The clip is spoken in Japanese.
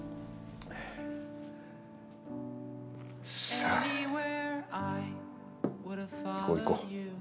さあいこういこう。